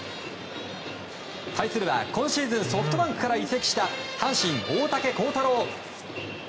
対するは今シーズンソフトバンクから移籍した阪神、大竹耕太郎。